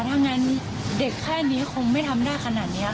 ถ้างั้นเด็กแค่นี้คงไม่ทำได้ขนาดนี้ค่ะ